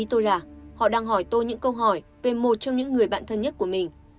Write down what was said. tôi là họ đang hỏi tôi những câu hỏi về một trong những người bạn thân nhất của mình